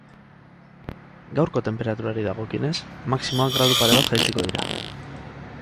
Gaurko tenperaturari dagokionez, maximoak gradu pare bat jaitsiko dira.